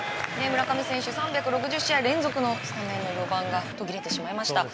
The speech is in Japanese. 村上選手３６０試合連続のスタメンの４番が途切れてしまいました。